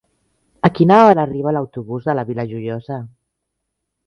A quina hora arriba l'autobús de la Vila Joiosa?